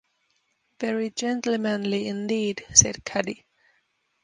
"Very gentlemanly indeed," said Caddy.